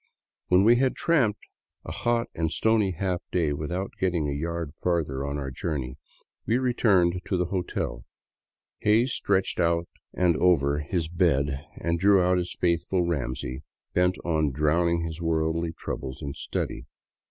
When we had tramped a hot and stony half day without getting a yard further on our journey, we returned to the hotel. Hays stretched out on — and over — his bed and drew out his faithful Ramsey, bent on drowning his worldly troubles in study.